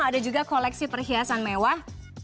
ada juga koleksi perhiasan mewah